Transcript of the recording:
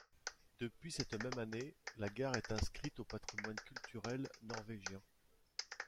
Depuis cette même année, la gare est inscrite au patrimoine culturel norvégien.